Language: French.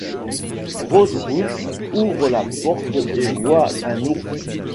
Rose-Rouge ouvre la porte et voit un ours.